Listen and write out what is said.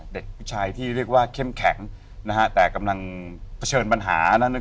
เด็กผู้ชายที่เรียกว่าเข้มแข็งนะฮะแต่กำลังเผชิญปัญหานั้น